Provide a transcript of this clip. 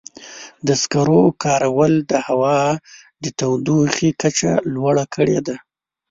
د سکرو کارول د هوا د تودوخې کچه لوړه کړې ده.